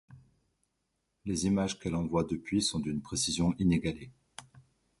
Les images qu'elle envoie depuis sont d'une précision inégalée.